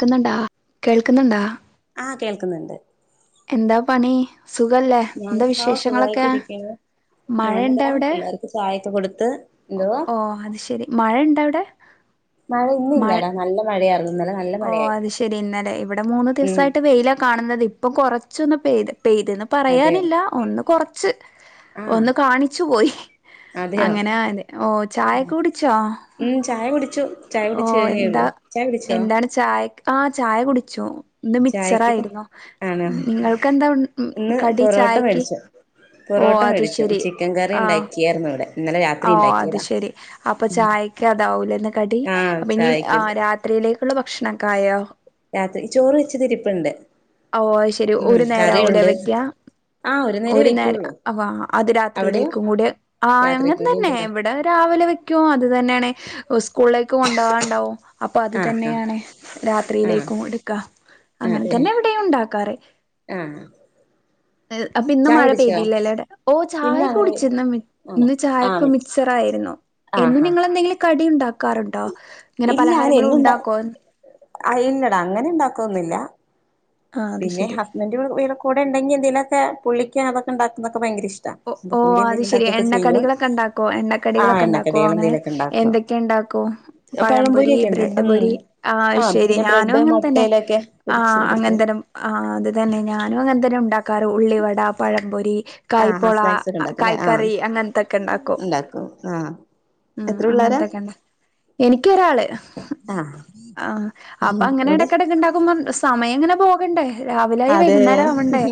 ക്ക്ന്നെണ്ടാ കേൾക്കുന്നെണ്ടാ ആഹ് കേൾക്കുന്ന്ണ്ട് എന്താ പണി സുഖല്ലേ എന്താ ഞാനിതാ വിശേഷങ്ങളൊക്കെ സുഖായിട്ടിരിക്കുന്നു ഞാനിതാ മഴെണ്ടവിടെ പിള്ളേർക്ക് ചായൊക്കെ കൊടുത്ത് എന്തോ ഓഹ് അത് ശെരി മഴെണ്ടവിടെ? മഴ ഇന്നില്ലടാ നല്ല മഴയാർന്നു ഇന്നലെ ന ഓഹ് അത് ശെരി ഇന്നലെ ഇവിടെ മൂന്നു ഉം ദിവസായിട്ട് വെയിലാ കാണുന്നത് ഇപ്പം കൊറച്ചൊന്നു പെയ്ത് പെയ്തന്ന് അതെയോ പറയാനില്ല ഒന്ന് കൊറച്ച് ആഹ് ഒന്ന് കാണിച്ചു പോയി അതെയോ അങ്ങനെയാല് ഓഹ് ചായൊക്കെ കുടിച്ചോ? ച്ചു ചായ ഓ കുടിച്ച് കഴിഞ്ഞേള്ളൂ എന്താ ചായ കുടിച്ചോ എന്താണ് ചായക് ആഹ് ചായ കുടിച്ചു ഇന്ന് ചായക്കിപ്പം മിച്ചറായിരുന്നു ആണോ നിങ്ങൾക്കെന്താ ഉൺ ഇന്ന് കടി പൊറോട്ട ചായക്ക് മേടിച്ചു ഓഹ് പൊറോട്ട അത് മേടിച്ചു ശെരി ചിക്കൻ കറി ആഹ് ഉണ്ടാക്കിയായിരുന്നു ഇവിടെ ഇന്നലെ രാത്രി ഓഹ് അത് ഉണ്ടാക്കിയതാ ശെരി അപ്പ ചായക്ക് അതാവൂലേന്ന് കടി ആഹ് അപ്പൊ ഇനി ചായക്കത് ആഹ് രാ ത്രിയിലേക്കുള്ള ഭക്ഷണക്കായോ? രാത്രി ചോറ് വെച്ചതിരിപ്പിണ്ട് ഓഹ് അയ്ശെരി ഒരു നേരാവൂലേ വെക്ക്യാ ആ നേരേ ഒരു നേരം വെക്കുള്ളൂ അഹ് അത് അവിടെയോ രാത്രിയിലേക്കുംകൂടെ ആഹ് രാത്രിക്ക് കൂടി അങ്ങൻതന്നെ ഉണ്ടല്ലോ ഇവടെ രാവിലെ വെക്ക്യും അത് തന്നേണ് സ്കൂളിലേക്കും കൊണ്ടോവാണ്ടാവും അപ്പൊ അത് ആ ആ തന്നെയാണ് ആ രാത്രിയിലേക്കും എടുക്ക അങ്ങൻ തന്നെ ഇവിടെയും ഉണ്ടാക്കാറ് ആഹ് എഹ് അപ്പൊ ഇന്ന് മഴ പെയ്തില്ലല്ലേടെ ഓഹ് ഇന്ന് അങ്ങനെ ചായേക്കുടിച്ച് ഇന്ന് മി ആണോ ഇന്ന് ആ ചായക്ക് മിക്ച്ചർ ആയിരുന്നു ആ എന്നും ആ നിങ്ങളെന്തെങ്കിലും കടി ഇണ്ടാക്കാറുണ്ടോ? പലഹാരങ്ങളും ഉണ്ടാക്കോൻ അഹ് ഇല്ലടാ അങ്ങനെണ്ടാക്കൊന്നില്ല ആഹ് അത് പിന്നെ ശരി ഹസ്ബന്റ് വ്ടെ കൂടെണ്ടെങ്കി എന്തെലെക്കെ പുള്ളിക്കതൊക്കെണ്ടാക്കുന്നൊക്കെ ഭയങ്കര ഇഷ്ട ഒഹ് ഓഹ് അത് ശെരി എണ്ണക്കടികളൊക്കെണ്ടാക്കോ ആ എണ്ണക്കടികളൊക്കെണ്ടാക്കോ എണ്ണക്കടികൾ അങ്ങനെ എന്തേലുമൊക്കെ ഉണ്ടാക്കും എന്തൊക്കെയണ്ടാക്കും? പഴംപൊരി പഴംപൊരിയൊക്കെ ഉണ്ട് ബ്രെഡ് ഉം പൊരി ആഹ് ആ അയ്ശെരി പിന്നെ ഞാനും ബ്രെഡ് അങ്ങൻതന്നെ മുട്ടയിലൊക്കെ ആഹ് പൊരിച്ചെടുക്കും അങ്ങന്തനെ ആഹ് അത് തന്നെ ഞാനും അങ്ങൻ തന്നെ ഉണ്ടാക്കാറ് ഉള്ളിവട, പഴംപൊരി ആഹ് കായ്പോള ഹസ് കായ്ക്കറി അങ്ങൻത്തക്കെണ്ടാക്കും ണ്ടാക്കും ആഹ് ഉം എത്ര പിള്ളേരാ അങ്ങനത്തൊക്കെണ്ട എനിക്ക് ഒരാള് ആഹ് ആഹ് അപ്പൊങ്ങനെ ഇവിടെ എടക്കെടക്ക് ഇണ്ടാക്കുമ്പോ സമയംങ്ങനെ പോകണ്ടേ രാവിലായി അതെ വൈകുന്നേരാവണ്ടേ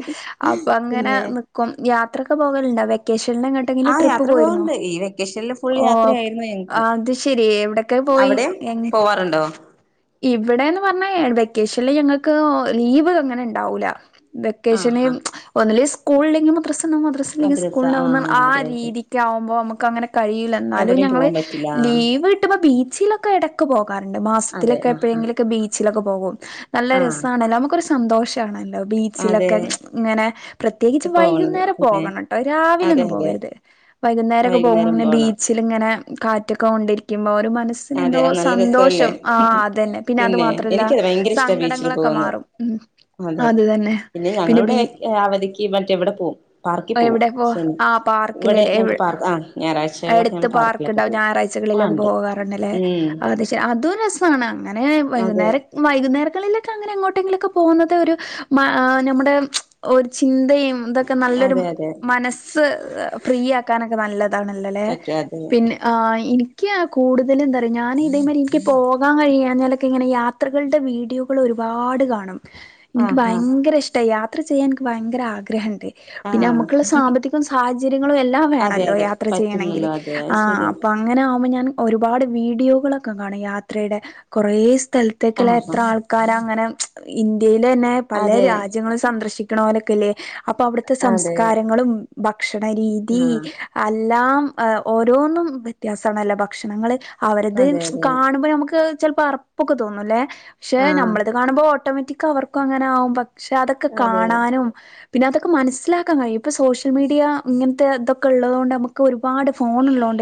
അപ്പൊങ്ങനെ പിന്നെ നിക്കും യാത്രൊക്കെ പോകൽണ്ടൊ? വെക്കേ ക്കേഷൽങ്ങട്ടെങ്കിലും ആഹ് ട്രിപ്പ് യാത്ര പോയിര്ന്നോ? പോവാറുണ്ട് ഈ വെക്കേഷല്ല് ഫു ഓഹ് അത് ശെരി എവിടക്കെ പോയി? അവിടെയും എങ്ങനെ? പോവാറുണ്ടോ? ഇവിടെന്ന് പറഞ്ഞാ വെക്കേഷല് ഞങ്ങക്ക് ലീവ് അങ്ങനെ ഉണ്ടാവൂല ആഹ് വെക്കേഷന് ആഹ് ഒന്നല്ലെ സ്കൂളില്ലെങ്കി മദ്രസണ്ടാവും മദ്രസല്ലെങ്കി മദ്രസ സ്കൂൾണ്ടാവകും ആഹ് അതെ അതെ രീതി ക്കെവുമ്പോ മ്മക്കങ്ങെനെ കഴ്‌യുല്ല എന്നാലും എവിടെയും ഞങ്ങള് പോവാൻ പറ്റില്ല ആഹ് ലീവ് കിട്ടുമ്പോ ബീച്ചിലൊക്കെ ഇടക്ക് പോകാറുണ്ട് മാസ അതെ ആഹ് ആഹ് ക്ക് ബീച്ചിലൊക്കെ പോകും നല്ല ആഹ് രസാണല്ലോ നമക്കൊ സന്തോഷാണല്ലോ ബീച്ചിലൊക്കെ അതെ ങ്ങനെ പ്രത്യേകിച്ച് പോണത് വൈകുന്നേരം പിന്നെ പോകണംട്ടോ അതെ രാവിലെന്നും അതെ പോകരുത് വൈകുന്നേരൊക്കെ വൈകുന്നേരം പോകുംങ്ങനെ പോണം ബീച്ചിലിങ്ങനെ കാറ്റൊക്കെ കൊണ്ടിരിക്കുമ്പോ ഒരു മനസ് ന് അതെ ന്തോ അത് നല്ല രസല്ലേ സന്തോഷം. ആഹ അത തന്നെ പിന്നെ അതു മാത്രല്ല എനിക്കത് ഭയങ്കര ഇഷ്ടാ ബീച്ചിൽ സങ്കടങ്ങളൊക്കെ പോകുന്നത് മാറും ഉ. അതെ അത് തന്നെ പിന്നെ ബി. അവധിക്ക് മറ്റെ ഇവടെ പോവും. പാർക്കിൽ പോവും എവിടെ പോ ശനി ആ ഇവിടെ പാർക്കില്ലല്ലേ ഞങ്ങക്ക് പാർക്ക് ആ ഞായറാഴ്ചകളിലൊക്കെ എടുത്ത് ഞങ്ങൾ പാർ പാർക്കിലൊക്കെ ണ്ടാവും പോകും ആ ഞായറാഴ്ചകളിലൊക്കെ ഉണ്ട് പോകാറുണ്ടല്ലേ ഉം അ അതൊ രസമാണ് അങ്ങനെ അതെ വൈകുന്നേരം. വൈകുന്നേരങ്ങളിലൊക്കെ അങ്ങനെ അങ്ങോട്ടെങ്കിലുംഒക്കെ പോകുന്നത് ഒരു നമ്മുടെ ഒരു ചിന്തയും ത് നല്ലൊരു അതെ അതെ മനസ്സ് ഫ്രീ ആക്കാനൊക്കെ നല്ലതാണല്ലോല്ലെ പറ്റും അതെ പിന്നെ. എനിക്ക് കൂടുതല് എന്താ റിയോ ഞാൻ ഇതേമാരി എനിക്ക് പോകാൻ കഴിയാഞ്ഞാലൊക്കെ ഇങ്ങനെ യാ ത്ര കളുടെ വീഡിയോകൾ ഒരുപാട് കാണും. എനിക്ക് ആഹാ ഭയങ്കര ഇഷ്ട യാത്ര ചെയ്യാൻ എനിക്ക് ഭയങ്കര ആഗ്രഹണ്ട് പിന്നെ ആഹ് നമക്ള്ള സാമ്പത്തി സാഹചര്യങ്ങളും എല്ലാം അതെ വേണല്ലോ അതെ യാത്ര ചെയ്യണങ്കിൽ പറ്റില്ലല്ലോ അതെ അത് ആ ശരിയാ അപ്പ അങ്ങനെ ആവുമ്പോൾ ഞാൻ ഒരുപാട് വീഡിയോകളൊക്കെ കാണും യാത്രയുടെ കുറേ സ്ഥലത്ത് ത്തേക്കുള്ള ആഹാ എത്ര ആൾക്കാര അങ്ങനെ ഇന്ത്യയിലന്നെ പല അതെ രാജ്യങ്ങളും സന്ദർശിക് ണവലൊക്കെല്ലേ അപ്പൊ അവിടുത്തെ അതെ സംസ്കാരങ്ങളും ഭക്ഷണരീതി. ആഹ് എല്ലാം ഓരോന്നും വ്യത്യാസാണെല ഭക്ഷണങ്ങള്. അവരത് അതെ അതെ കാണുമ്പോൾ നമുക്ക് ചിലപ്പോ അറപ്പൊക്കെ തോന്നും ല്ലേ പക്ഷെ ആഹ് നമ്മളത്. കാണുമ്പോൾ ഓട്ടോമാറ്റി അവർക്കും അങ്ങനെ ആകും പക്ഷെ അതൊക്കെ അതെ കാണാനും പിന്നെ അതൊക്കെ മനസ് മനസ്സിലാക്കാൻ കഴിയും ഇപ്പോ സോശിയ മീഡിയ ഇങ്ങനത്തെ ഇതൊക്കെ ഉള്ളതോണ്ട് നമക്ക് ഒരുപാട് ഫോണ് ഉള്ളാണ്ട്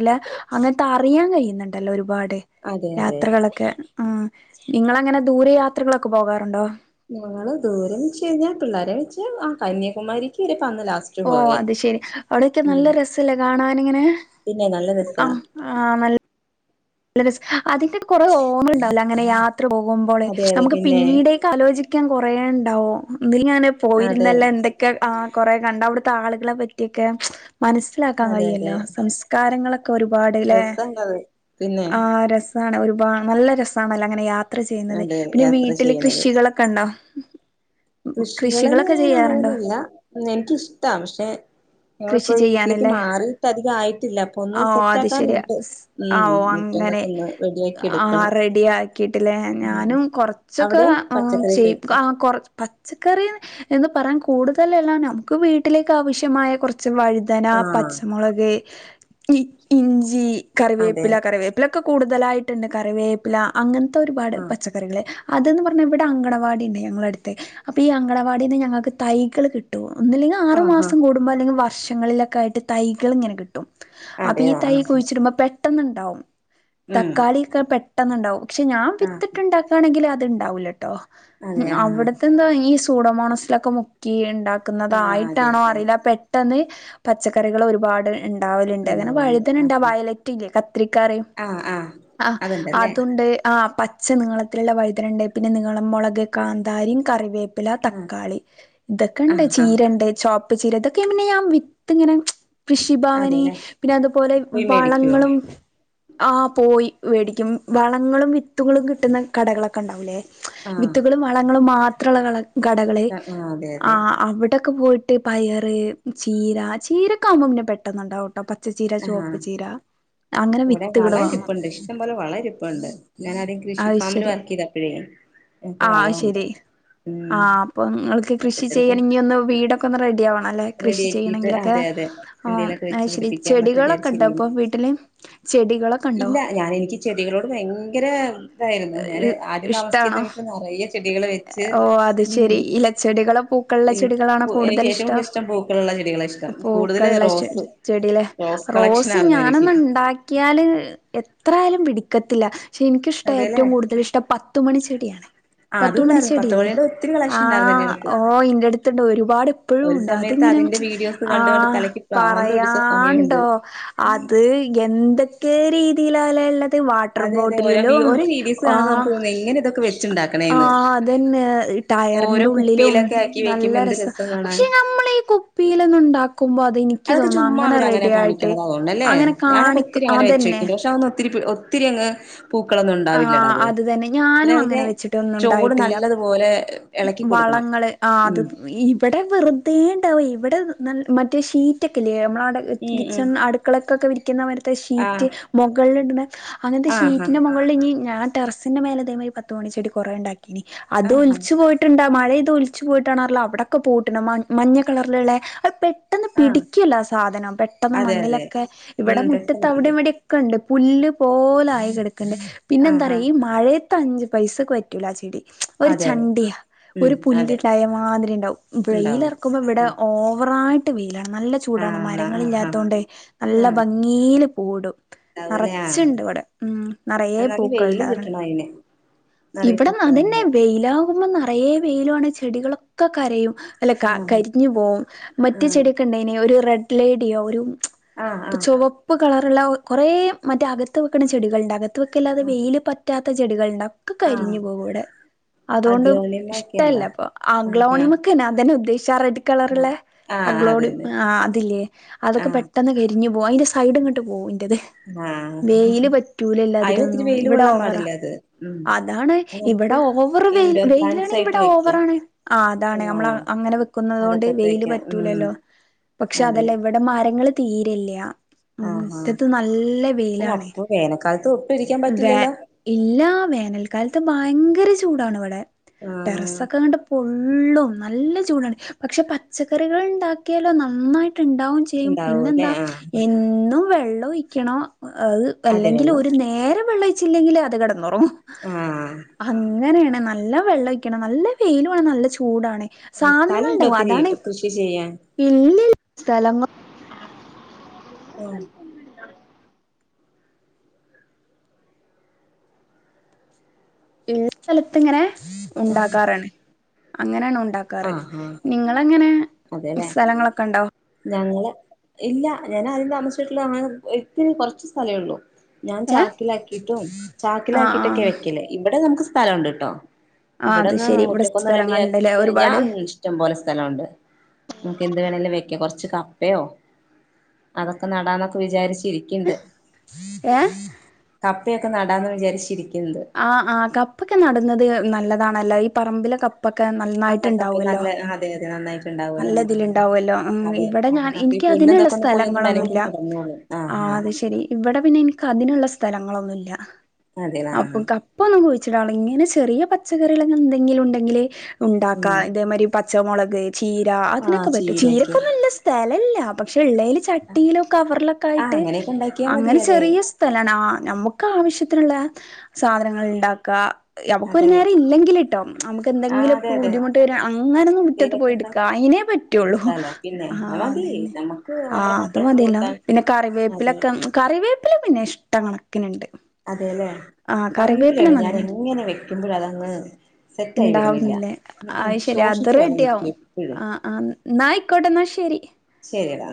അങ്ങനത്തെ അറിയാൻ കഴിയുന്നുണ്ടല്ലോ ഒരുപാട് അതെ അതെ യാത്രകളൊക്കെ. ആ നിങ്ങ അങ്ങനെ ദൂരെ യാത്രകളൊക്കെ പോകാറുണ്ടോ? ഞങ്ങള് ദൂരെം വച്ച് കഴിഞ്ഞാൽ പിള്ളേരെ വെച്ച് ആ കന്യാകുമാരിക്ക് പന്ലാസ് ഓ അത് ശെരി അവിടെൊക്കെ നല്ല രസല്ല കാണാനിങ്ങനെ? പിന്നെ നല്ല രസ. ആനൽ അതിന്റെ കുറെ ഓർങ്ങൾ ഉണ്ടാവല്ലോ അങ്ങനെ യാത്ര പോകുമ്പോള് അതെ അതെ നമുക്ക് പിന്നെ പിന്നീട്. ക്കാലോചിക്കാൻ കൊറേ ഉണ്ടാവോ ഇത് ഞാന് അതെ പോയിരുന്നല്ല എന്തെ ആഹ് കൊറെ കണ്ട് അവിടുത്തെ ആളുകളെ പറ്റിയൊക്കെ മനസ്സിലാക്കാൻ അതെ അതെ കഴിയല്ലോ സംസ് കാരങ്ങളൊക്കെ ഒരുപാട് ല്ലേ? രസണ്ടത് പിന്നെ ആഹ് രസാണ് ഒരുപാട് നല്ല രസണല്ലോ അങ്ങനെ യാത്ര ചെയ്യുന്നത് അതെ പിന്നെ യാത്ര വീട്ടില് ചെയ്യണത് കൃഷികളൊ ക്കണ്ടൊ? കൃഷികൾന്ന് പറയാൻ അങ്ങനൊന്നുല്ല എനിക്കിഷ്ട്ട പക്ഷെ. കൃഷി ഞങ്ങളിപ്പോ ഈ വീട്ടിലേക്ക് ചെയ്യാനല്ലേ മാറിയിട്ട് അധികം ആയിട്ടില്ല പ്പൊ ഒന്ന് സെറ്റാക്കാനുണ്ട്. ആവോ അങ്ങനെ ആഹ് എടുക്കണം റെഡിയായി കിട്ടില്ലേ ഉം ഞാനും കൊറച്ചൊക്കെ അവിടെ ങ് പച്ചക്കറി ചെയ് കഴിക്ക ആഹ് കൊർ പച്ചക്കറി എന്ന് പറയാൻ കൂടുതലല്ലാ നമുക്ക് വീട്ടിലേക്ക് ആവശ്യമായ കുർച്ച് വഴ് ദന ആഹ് പച്ചമുളക് ഇഞ്ചി കറിവേപ് അതെ കറിവേപ്പിലൊക്കെ കൂടുതലായിട്ട്ണ്ട് കറിവേപ്പില അങ്ങൻത്തെ ഒരുപാട് ആഹ് പച്ച ക കറികള് അത് ന്ന് പറഞ്ഞ ഇവിടെ അങ്കണവാടി ഉണ്ട് ഞങ്ങളുടെ അടുത്ത് അപ്പൊ ഈ അങ്കണവാടിന്ന് ഞങ്ങൾക്ക് തൈകൾ കി കിട്ടും ഒന് ഇല്ലെങ്കിൽ ആറു ആഹ് ആഹ് മാസം കൂടുമ്പോ അല്ലെങ്കിൽ വർഷങ്ങളിലൊക്കെ ആയിട്ട് തൈകൾ ഇങ്ങനെ കിട്ടും. അപ്പൊ അതെ ഈ തൈ ആഹ് കുഴിച്ചിടുമ്പോ പെട്ടെന്ന്ണ്ടാവും ഉം തക്കാളി ഒക്കെ പെട്ടെന്ന്ണ്ടാവും. പക്ഷെ ഞാൻ ആഹ് വിത്തിട്ടുണ്ടാകാണെങ്കിൽ അത്ണ്ടാവൂല ട്ടോ അതെ ആഹ് അവിടത്തെ എന്താ ഈ സൂടമോണസ് ഒക്കെ മുക്കി ആഹ് അതെ ഉണ്ടാക്കുന്നതായിട്ടാണോ അതെ അറിയില്ല പെട്ടെന്ന് പച്ചക്കറികൾ ഒരുപാട്. ഉണ്ടാവല്ണ്ട് അങ്ങനെ ഉണ്ടാവുണ്ട് ആഹ് വഴുതനണ്ടാ വയ് കത്രിക്കറിം ആഹ് ആഹ് ആഹ് അതുണ്ടല്ലേ അതുണ്ട് ആഹ് പ പച്ച നിങ്ങളത്തില്ള്ള വൈദനണ്ട് പിന്നെ നിങ്ങളം മുളക് കാന്താരിം കറിവേപ് പ്പില ആഹ് തക്കാളി ഇതൊക്കെ ഇണ്ട് ആഹ് ആഹ് ചീരണ്ട് ചോപ് ചിലതൊക്കെ ഞാൻ വിത്ത്ങ്ങനെ കൃഷിഭാവനി അതെല്ലേ പിന്നെ അതുപോലെ പോയി വാ മേടിക്കുവോ ആഹ് പോയി വേടിക്കും വളങ്ങളും വിത്തുകളും കിട്ടുന്ന കടകളൊക്കെ ഇണ്ടാവൂലേ? ആഹ് വിത്തുകളും വളങ്ങളും മാത്രമുള്ള കടകള് ആഹ് അതെ അതെ ആഹ് അവിടൊക്കെ പോയി ട്ട് പയറ് ചീര ചീരക്കെ ആവുമ്പോ പിന്നെ പെട്ടെന്നുണ്ടാവും കേട്ടോ പച്ചച്ചീര ആഹ് ചെവപ്പ് ചീര അങ്ങനെ ഇവിടെ വള വിത്തുകള് വാങ്ങും ഇരിപ്പുണ്ട് ഇഷ്ടം പോലെ വളരിപ്പുണ്ട് ഞാനദ്യം കൃഷി അത് ഫാമിൽ ശരി വർക്ക് ചെയ്തപ്പഴേ ആഹ് ശരി ആഹ് അപ്പൊ നിങ്ങക്ക് കൃഷി പച്ചക്കറിക്ക് ചെയ്യണെങ്കി ഒന്ന് വീടെ ക്കൊന്ന് റെഡി ആവണം അല്ലെ റെഡി കൃഷി ആക്കിയിട്ട് ചെയ്യണെങ്കിലൊക്കെ അതെ അതെ ആഹ് എന്തേലൊക്കെ വെച്ച് അയ്ശരി പിടിപ്പിക്കാന്നൊക്കെ ചെടികളൊക്കെ ഉണ്ടാ ഇപ്പൊ വിചാരിച്ചിരിക്കുന്നു വീ ട്ടില് ചെടികളൊക്കെ ഇണ്ടൊ? ഇല്ല ഞാൻ എനിക്ക് ചെടികളോട് ഭയങ്കര തായിരുന്നു ഞാാന് ആദ്യം ഇഷ്ടാണോ താമസിച്ചിരുന്ന വീട്ടിൽ നിറയ ചെടികൾ വെച്ച് ഓ അത് ഉം ശെരി ഇലച്ചെടികളോ പൂക്കളുള്ള ങ് ചെടികളാണോ പൊ എനിക്ക് കൂടുതൽ ഏറ്റവും ഇഷ്ടം കൂടുതല് ഇഷ് ഷ്ടം പൂക്കളുള്ള ചെടികളെ ഇഷ്ടം കൂടുതൽ പൂക്കളുള്ള ചെ റോസ് ചെടിയിലെ റോസ് കളക്ഷന ആര്ന്നു എനിക്ക് ക്കിയാല് എത്രായാലും പിടിക്കത്തില്ല പക്ഷെ എനിക്കിഷ്ട അതെല്ലേ ഏറ്റവും കൂടുതൽ ഇഷ്ട പ ത്തുമണി ച്ചെടിയാണ് ആ അതുണ്ടായിരുന്നു പത്ത് പത്തുമണിച്ചെടില്ലേ മണിയുടെ ഒത്തിരി കളക്ഷൻ ഉണ്ടായിരുന്നു എന്റെ ആഹ് അടുത്ത് ഓ ഇന്റടുത്തുണ്ട് ഒരുപാട് പ്പഴും ഒരു ഉണ്ട് സമയത്ത് അതിങ്ങനെ അതിന്റെ വീഡിയോസ് കണ്ട് കണ്ട് ആഹ് തലയ്ക്ക് പ്രാന്ത് പിടിച്ച സമയമുണ്ട് പറയാണ്ടോ അത് എന്തെക്കെ രീതിയിലാലെ ഇള്ളത് വാട്ടർ ബോട്ടിലിലും [unintelligible] നമ്മക്ക് ആഹ് തോന്നും എങ്ങന ഇതൊക്കെ വെ ആഹ് അതന്നെ ഓരോ ടയറിന്റെ ഉള്ളിലും കുപ്പിയിലൊക്കെ ആക്കി നല്ല വെക്കുമ്പോ എന്ത് രസ രസാ കാണാൻ പക്ഷെ നമ്മള് ഈ കുപ്പിലൊന്നുണ്ടാക്കുമ്പോ അതെനി അതൊക്കെ ചുമ്മാ അവര് അങ്ങനെ കാണിക്കുന്നത് അതുകൊണ്ടല്ലേ അങ്ങനെ ഞാനൊക്കെ കാണിക്ക ഒത്തിരിങ്ങനെ വെ അതന്നെ വെക്കുണ്ട് പക്ഷെ അ ഒത്തിരി ഒ ത്തിരിയങ്ങ് പൂക്കളൊന്നും ആ ഉണ്ടാവില്ലടത് അത് തന്നെ പിന്നെ ഞാനും അതിന്റെ അങ്ങനെ വെച്ചിട്ടൊന്നും ചോട് ഉണ്ടായിട്ടില്ല നല്ലതുപോലെ ഇളക്കി കൊടുക്കണം വളങ്ങള് ആഹ് ഉം അത് ഈ ഇവിടെ വെറുതെ ണ്ടാവ ഇവിടെ ന മറ്റേ ഷീറ്റ ഒക്കെ ഇല്ലേ നമ്മളവി ഉം ഉം കിച്ചൺ അടു മക്കളക്കൊക്കെ വിരിക്കുന്ന മരത്തെ ഷീറ്റ് ആഹ് മുകള അങ്ങൻത്തെ ആഹാ ഷീറ്റന്റെ മോൾക്ക് മുകൾ ഞ്ഞ് ഞാൻ ടെസിന്റെ മേലെ തെ മരി പത്ത് മത്ത് മണി ചെടി കൊറെ ഇണ്ടാക്കിനി അത് ആഹാ ഒലിച്ചു പോയി ഇട്ടുണ്ടാ മഴ ഇത് ഒലിച്ച് പോയിട്ടാണല്ലോ അവിടെക്കെ പൂവിട്ട്ണ് മഞ്ഞ കളറിലുള്ള അ പെട്ടെന്ന് ആഹ് പിടിക്കല്ലോ ആഹ് സാധനം പെട്ടെന്ന് അതെ അതെ മണ്ണിലൊക്കെ ഉം ഇവിടെ പെട്ടെന്ന് മുറ്റത്ത് പിടിക്കും അവിടെയും വിടെ ണ്ട് പുല്ല് പോലെ ആയി കിടക്കണ്ട് ആഹാ പിന്നെന്താറയാ ഈ മഴയത്തെ അഞ്ച് പൈസറ്റ ല ചെടി ഒരു അതെ അതെ ചണ്ടിയാ ഉം ഒരു അതെ പുല്ലിടായ മാതിരി ഉണ്ടാവും ഉണ്ടാവും വെയിലറ പ ഇവിടെ ഉം ഓവറായിട്ട് വെയിലാണ് നല്ല ചൂടാണ് ആഹ് ആഹാ മരങ്ങളില്ലാത്തണ്ട് നല്ല ആഹ് ഭംഗ ഇങ്ങീല് പൂടും നിറച്ചണ്ട് ഇവിടെ ഉം നറയെ നന്നാക്കി വെയില് പൂക്കൾണ്ടാവാറുണ്ട് കിട്ടണം അയിണ് ഇവിടെ അതന്നെ വെയിലാകുമ്പോ നിറയെ വെയിലുണ് ചെടികളൊക്കെ കരയും അല്ല ആഹ് കരിഞ്ഞു പോവും മറ്റു ആഹ് ചെടിയൊക്കെ ഉണ്ടെനി ഒരു റെഡ് ലൈഡിയോ ഒരു ആഹ് ഇപ്പ ആഹ് ചുവപ്പ് കളറുള്ള കുറെ മറ്റേ അകത്ത് വെക്കുന്ന ചെടികളണ്ട് അകത്ത് അത്ക്കല്ലാതെ വെയിൽ പറ്റാത്ത ചെടികൾണ്ടാ ആഹ് കരിഞ്ഞു പോകൂടെ അതുകൊണ്ട് അഗ്ലോണിമ ഇഷ്ടല്ല ഒക്കെയുണ്ടോ അപ്പൊ ആഹ് ആഹ് ആംഗ്ലോണിക്കെ അതന്നെ ഉദ്ദേശിച്ച റെഡ് കളറള്ള ആഹ് ആഹ് അഗ്ലോഡ അതന്നെ ആഹ് അതില്ലേ അതൊക്കെ ആഹ് പെട്ടെന്ന് കരിഞ് പോക അതിന്റെ സൈഡ ഇങ്ങട്ട് പോകും അൻ്റത് ആഹ് വെയില് പറ്റൂല അയിന് ഒത്തിരി എല്ലാതിരൊന്നും വെയില് ഇവിടെ കൊള്ളാൻ ഓവറാ പാടില്ല അത് ഉം അതാണ് അത് നമുക്ക് ഇവിടെ ഓവർ വെ ഇൻഡോർ വെയിലാണ് പ്ലാന്റ്സ് ആയിട്ട് ഇവിടെ വെക്കാം ഓവറാണ് ആഹ് അതാണ് നമ്മൾ ആഹ് അങ്ങനെ കൊണ്ട് അകത്തൊക്കെ വെയില് വെക്കാം ഉം പറ്റൂലല്ലോ പക്ഷെ അതെ അതെല്ലാം എവി എടെ മരങ്ങള് തീരല്ല മുറ്റത് നല്ല വെയിലാണ് വേനക്കാലത്ത് വേ ഇല്ല വേനൽക്കാലത്ത് ഭയങ്കര ചൂടാണ് ഇവിടെ ടെറസ ആഹ് ഒക്കെ കണ്ട് കൊള്ളും നല്ല ചൂടാണ് പക്ഷെ പച്ചക്കറികൾ ഉണ്ടാക്കിയാലോ നന്നായിട്ട് ഉണ്ടാവും ചെയ ഉണ്ടാവൂല്ലേ പിന്നെന്താ ആഹ് എന്നും വെള്ളം ഒഴിക്കണം അതെ അല്ലെങ്കിൽ വെള്ളം നേരെ വെള്ളം ഒഴിച്ചില്ലെങ്കിൽ അത് കിടന്നോറും ആഹ് അങ്ങനെയാണ് നല്ല വെള്ളഴ നല്ല വെയിലു ആണ് നല്ല ചൂടാണ് സ്ഥലമുണ്ടോ ഒത്തിരി കൃഷി ചെയ്യാൻ ഇല്ല സ്ഥല ആഹ് ഉള്ള സ്ഥലത്ത് ഇങ്ങനെ ആഹ് ഉണ്ടാക്കാറാണ് അങ്ങനെയാണ് ഉണ്ടാക്ക റ് ആഹ് ആഹ് നിങ്ങളെങ്ങനെ അതെല്ലേ സ്ഥലങ്ങളൊക്കെ ഉണ്ടോ ഞങ്ങള് ഇല്ല ഞാൻ ആദ്യം താമസിച്ചിട്ടുള്ള അങ്ങ് ഇത്തിരി കുറച്ച് സ്ഥലേ ഉള്ളൂ ഞാൻ ഏ ചാക്കിലാക്കിട്ടും ആ ആ ചാക്കിലാക്കിട്ടൊക്കെയാ വെക്കല് ഇവിടെ നമുക്ക് സ്ഥലമുണ്ട്ട്ടോ ആ അത് ഇവിടെന്ന് ശരി ഇവിടെ മുറ്റക്കൊന്ന് റെഡി ആക്കി സ്ഥലങ്ങളുണ്ടല്ലേ കഴിഞ്ഞാ ഒരുപാട് [unintelligible] ഇഷ്ടം പോലെ സ്ഥലമുണ്ട് നമുക്ക് എന്ത് വേണേലും വെക്ക കുറച്ച് കപ്പയോ അതൊക്കെ നടാന്നൊക്കെ വിചാരിച്ചിരിക്കിണ്ട് ഏഹ് കപ്പയൊക്കെ നടാന്ന് വിചാരിച്ചിരിക്കിണ്ട് ആഹ് ആഹ് കപ്പൊക്കെ നടുന്നത് നല്ലതാണല്ലോ ഈ പറമ്പിലെ കപ്പ ക്കെ നന്നായിട്ട് ആഹ് കപ്പ ഉണ്ടാവുമല്ലോ നല്ല അതെ അതെ നന്നായിട്ടുണ്ടാവല്ലോ നല്ലതില് ഉണ്ടാവുമല്ലോ അതെ ഇവിടെ ഞാ അപ്പൊ ഈ എനിക്ക് അതിനുള്ള പുല്ലന്തൊക്കെ ഒന്ന് പോയി ഒന്ന് മെനക്കി സ്ഥലങ്ങളൊന്നുമില്ല കിടന്നോളും ആഹ് അത് ശരി ഇവിടെ പിന്നെ എനിക്ക് അതിനുള്ള സ്ഥലങ്ങളൊന്നുല്ല അതെല്ലേ അപ്പൊ ആഹ് കപ്പൊന്നും കുഴിച്ചിടാ ഇങ്ങനെ ചെറിയ പച്ചക്കറികള് എന്തെങ്കിലും ഉണ്ടെങ്കില് ഉണ്ടാക്കാ ഉം ഇതേമാതിരി പച്ചമുളക് ചീര ആഹ് അതിനൊക്കെ പറ്റും ചീരയൊക്കെ ചീരക്കൊന്നുല്ല സ്ഥലമില്ല പക്ഷെ ഉള്ളേല് ചട്ടിയിലും കവറിലൊക്കെ ആഹ് ആയിട്ട് അങ്ങനെയൊക്കെ ഉണ്ടാക്കിയാ മതി അങ്ങനെ അതെ ചെറിയ [unintelligible] ആഹ് നമുക്ക് ആവശ്യത്തിനുള്ള സാധനങ്ങൾ ഉണ്ടാക്ക നമുക്ക് ഒരു അതെ നേരം ഇല്ലെങ്കിലിട്ടോ നമുക്ക് ആഹ് എന്തെങ്കിലും അതെ അതെ ബുദ്ധിമുട്ട് വരോ അങ്ങനൊന്നു മുറ്റത്ത് എന്തേലൊക്കെ പോയി ഉണ്ട എടുക്ക അതിനെ പറ്റ എടുത്താലോ [unintelligible] പിന്നെ ആഹ് അത് മതി അതെന്നെ നമുക്ക് ആ നമ്മുടെ മക്കൾക്ക് അതുമതീയല്ലോ കൊടുക്കാൻ പിന്നെ അതെ കറിവേപ്പിലൊക്കെ കറിവേപ്പില പിന്നെ ഇഷ്ടം കണക്കിനുണ്ട് അതെല്ലേ ആഹ് കറിവേപ്പില കറിവേപ്പിലയാണ് ഞാൻ നല്ല എങ്ങനെ വെക്കുമ്പോഴും അതങ്ങ് സെറ്റായി വരുന്നില്ല ഉണ്ടാവുന്നില്ലേ ഉം ഉം അത് ശരി അത് ശോഷിച്ചു പോലെ റെഡിയാവും നിക്കും എപ്പഴും ആന്ന് എന്നാ ആയിക്കോട്ടെ എന്നാ ശരി ശരിടാ